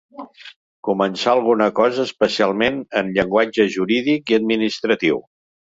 Començar alguna cosa, especialment en llenguatge jurídic i administratiu.